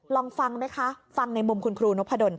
ลองฟังไหมคะฟังในมุมคุณครูนพดล